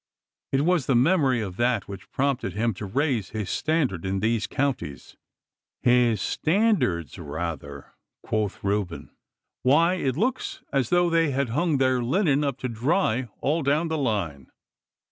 'It was the memory of that which prompted him to raise his standard in these counties.' 'His standards, rather,' quoth Reuben. 'Why, it looks as though they had hung their linen up to dry all down the line.